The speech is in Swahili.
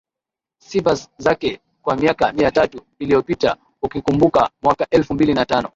sifa zake kwa miaka mitatu iliyopita ukikumbuka mwaka elfu mbili na tano